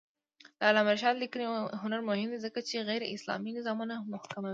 د علامه رشاد لیکنی هنر مهم دی ځکه چې غیراسلامي نظامونه محکوموي.